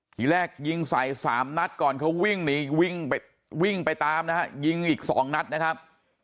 ทีแรกยิงใส่๓นัดก่อนเขาวิ่งหนีวิ่งไปวิ่งไปตามนะฮะยิงอีก๒นัดนะครับ